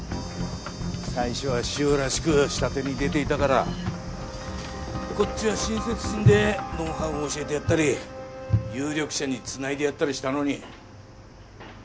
最初はしおらしく下手に出ていたからこっちは親切心でノウハウを教えてやったり有力者に繋いでやったりしたのに。